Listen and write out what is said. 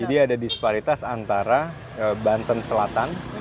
jadi ada disparitas antara banten selatan